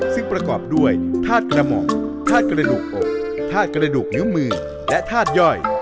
ซึ่งประกอบด้วยทาสกระหมอกทาสกระดูกอกทาสกระดูกนิ้วมือและทาสย่อย